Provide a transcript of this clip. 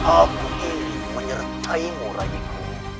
aku ingin menyertai mu rayiku